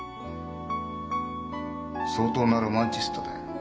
相当なロマンチストだよ。